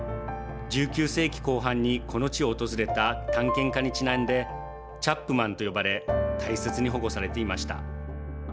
１９世紀後半に、この地を訪れた探検家にちなんで「チャップマン」と呼ばれ大切に保護されていました。